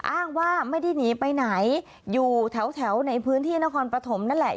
อ้างว่าไม่ได้หนีไปไหนอยู่แถวในพื้นที่นครปฐมนั่นแหละ